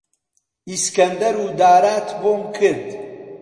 ئیسکەندەر و دارات بۆم کرد،